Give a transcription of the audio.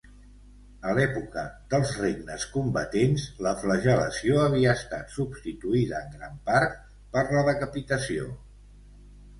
A l'època dels Regnes Combatents, la flagel·lació havia estat substituïda en gran part per la decapitació.